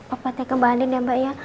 obatnya ke mbak andin ya mbak ya